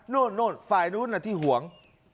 โน่นโน่นฝ่ายนู้นอ่ะที่ห่วง